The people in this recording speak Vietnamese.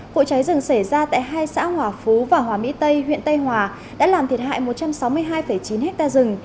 vụ cháy rừng xảy ra tại hai xã hòa phú và hòa mỹ tây huyện tây hòa đã làm thiệt hại một trăm sáu mươi hai chín hectare rừng